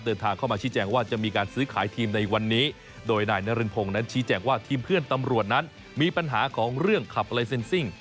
เดินทางเข้ามาชี้แจงว่าจะมีการซื้อขายทีมในวันนี้โดยนายนรินพงศ์นั้นชี้แจงว่าทีมเพื่อนตำรวจนั้นมีปัญหาของเรื่องขับลายเซ็นซิ่ง